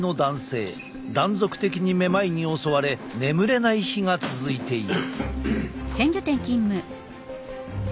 断続的にめまいに襲われ眠れない日が続いている。